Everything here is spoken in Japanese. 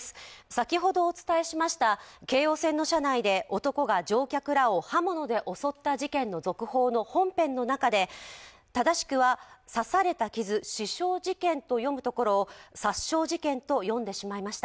先ほどお伝えしました京王線の車内で男が乗客らを刃物で襲った事件の続報の本編の中で正しくは、刺された傷、刺傷事件と読むところを殺傷事件と読んでしまいました。